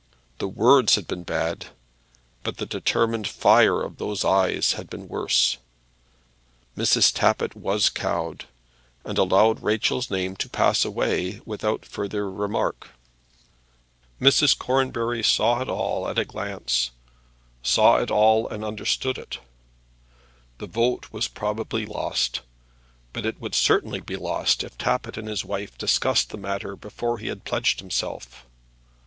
The words had been bad, but the determined fire of those eyes had been worse. Mrs. Tappitt was cowed, and allowed Rachel's name to pass away without further remark. Mrs. Cornbury saw it all at a glance; saw it all and understood it. The vote was probably lost; but it would certainly be lost if Tappitt and his wife discussed the matter before he had pledged himself.